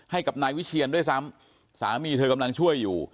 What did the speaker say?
ให้กับนายวิเชียนด้วยซ้ำสามีเธอกำลังช่วยอยู่